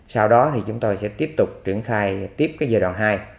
sau đó thì chúng tôi sẽ tiếp tục triển khai tiếp cái giai đoạn hai